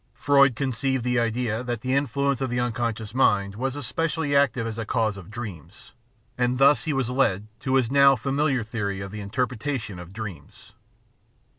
Freud conceived the idea that the influence of the unconscious mind was The Science of the Mind 557 especially active as a cause of dreams, and thus he was led to his now familiar theory of the interpretation of dreams.